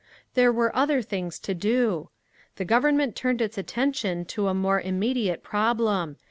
"There were other things to do…. "The Government turned its attention to a more immediate problem.